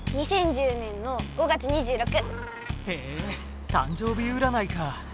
２０１０年の５月２６！へえ誕生日うらないか。